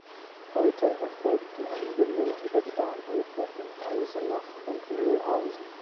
Heute erfolgt die Anbindung über die Bahnhöfe in Eisenach und Mühlhausen.